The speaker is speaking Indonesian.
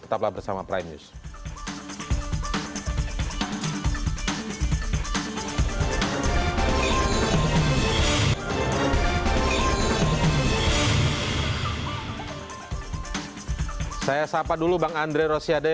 tetaplah bersama prime news